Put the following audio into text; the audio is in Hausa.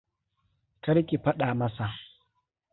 Kar ki faɗa masa.